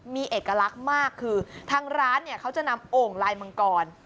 มีเอกลักษณ์มากคือทางร้านเนี่ยเขาจะนำโอ่งลายมังกร